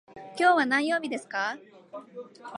今日は何曜日ですか。